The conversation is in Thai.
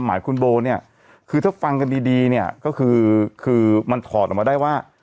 หมายคุณโบเนี่ยคือถ้าฟังกันดีเนี่ยก็คือคือมันถอดออกมาได้ว่า